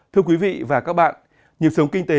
thưa quý vị và các bạn nhịp sống kinh tế